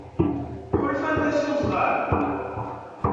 Ḥulfant-as i wezɣal?